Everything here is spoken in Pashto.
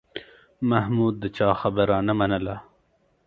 محمود د چا خبره نه منله.